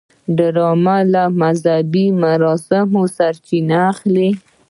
ډرامه له مذهبي مراسمو سرچینه اخلي